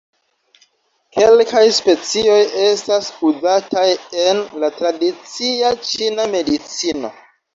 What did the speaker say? Kelkaj specioj estas uzataj en la tradicia ĉina medicino.